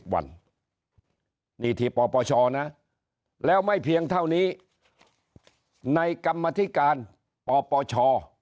วันนี้ที่ปปชนะแล้วไม่เพียงเท่านี้ในกรรมธิการปปช